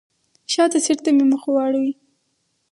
شاته سیټ ته مې مخ واړوه.